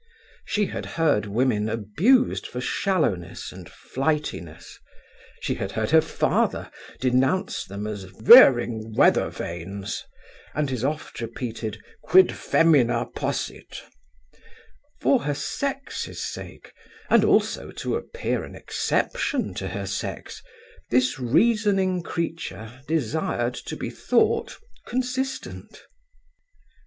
She had heard women abused for shallowness and flightiness: she had heard her father denounce them as veering weather vanes, and his oft repeated quid femina possit: for her sex's sake, and also to appear an exception to her sex, this reasoning creature desired to be thought consistent.